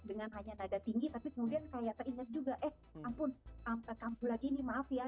dengan hanya nada tinggi tapi kemudian kayak teringat juga eh ampun kambuh lagi nih maaf ya